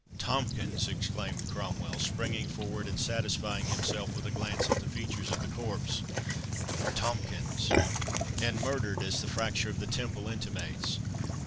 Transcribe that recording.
"Tomkins!" exclaimed Cromwell, springing forward and satisfying himself with a glance at the features of the corpse—"Tomkins!—and murdered, as the fracture of the temple intimates!